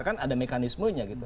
kan ada mekanismenya gitu